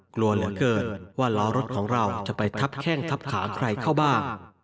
กลัวเหลือเกินว่าล้อรถของเราจะไปทับแข้งทับขาใครเข้าบ้าง